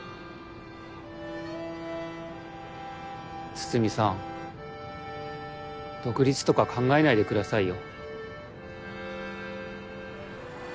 筒見さん独立とか考えないで下さいよ。